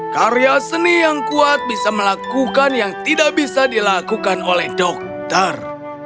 karya seni yang kuat bisa melakukan yang tidak bisa dilakukan oleh dokter